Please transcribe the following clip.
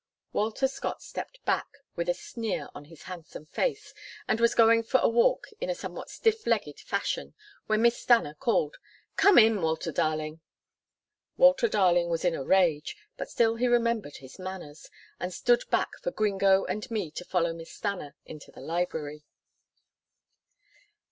Walter Scott stepped back with a sneer on his handsome face, and was going for a walk in a somewhat stiff legged fashion, when Miss Stanna called, "Come in, Walter darling." Walter darling was in a rage, but still he remembered his manners, and stood back for Gringo and me to follow Miss Stanna into the library.